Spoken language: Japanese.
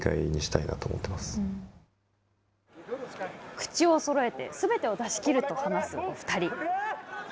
口をそろえてすべてを出しきると話すお２人。